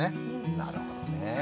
なるほどね。